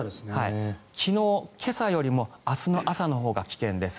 昨日、今朝よりも明日の朝のほうが危険です。